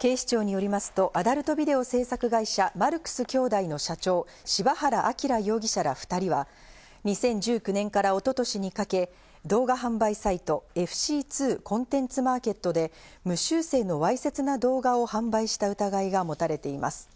警視庁によりますとアダルトビデオ制作会社マルクス兄弟の社長、柴原光容疑者ら２人は２０１９年から一昨年にかけ、動画販売サイト・ＦＣ２コンテンツマーケットで無修正のわいせつな動画を販売した疑いがもたれています。